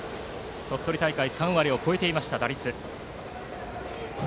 鳥取大会打率が３割を超えていました。